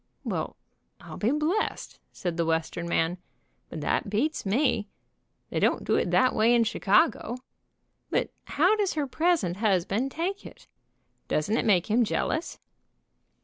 "Well, I'll be blessed," said the Western man, "but that beats me. They don't do that way in Chicago. But how does her present husband take it? Doesn't it make him jealous